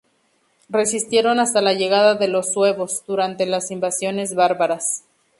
Resistieron hasta la llegada de los suevos, durante las invasiones bárbaras.